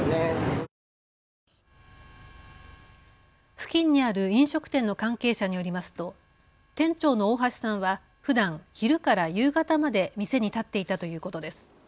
付近にある飲食店の関係者によりますと店長の大橋さんはふだん昼から夕方まで店に立っていたということです。